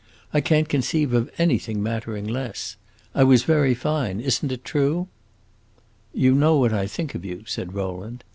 I can't conceive of anything mattering less. I was very fine is n't it true?" "You know what I think of you," said Rowland.